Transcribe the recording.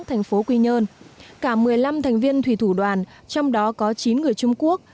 thành phố quy nhơn cả một mươi năm thành viên thủy thủ đoàn trong đó có chín người trung quốc